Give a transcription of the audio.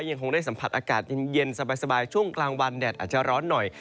ยังคงได้สัมผัสอากาศเย็นสบายช่วงกลางวันแดดอาจจะร้อนหน่อย